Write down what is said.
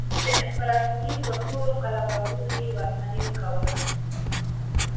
د امپراتورۍ پر ټولو قلمرونو یې واکمني کوله.